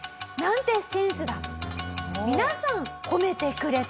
皆さん褒めてくれたと。